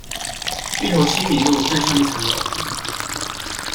芋頭西米露，更上一層樓